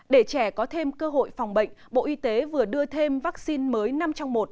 để trẻ có thêm cơ hội phòng bệnh bộ y tế vừa đưa thêm vaccine mới năm trong một